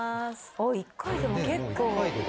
あっ１回でも結構。